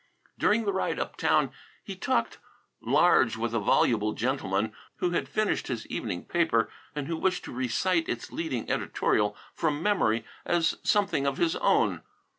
During the ride uptown he talked large with a voluble gentleman who had finished his evening paper and who wished to recite its leading editorial from memory as something of his own.